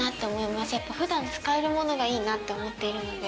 やっぱ普段使えるものがいいなって思っているので。